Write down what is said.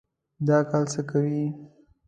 دا کال څه کوئ؟